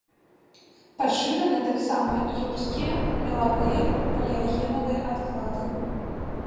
Пашыраны таксама юрскія, мелавыя, палеагенавыя адклады.